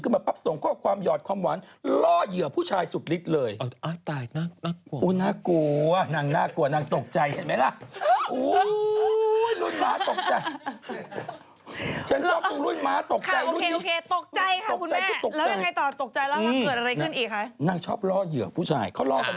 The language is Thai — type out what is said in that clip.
มาปั๊บส่งข้อความหยอดความหวานล่อเหยื่อผู้ชายสุดฤทธิ์เลย